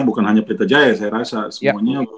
bukan hanya pelita jaya saya rasa semuanya